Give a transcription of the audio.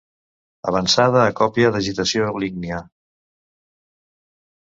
Avançada a còpia d'agitació lígnia.